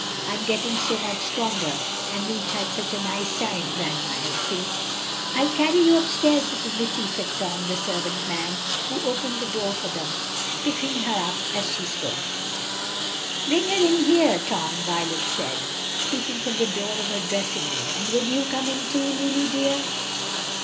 "I'm getting so much stronger, and we've had such a nice time, Grandma Elsie." "I'll carry you up stairs, little missy," said Tom, the servant man, who opened the door for them, picking her up as he spoke. "Bring her in here, Tom," Violet said, speaking from the door of her dressing room. "And will you come in too, Lulu dear?"